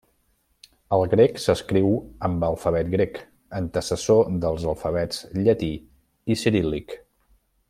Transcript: El grec s'escriu amb l'alfabet grec, antecessor dels alfabets llatí i ciríl·lic.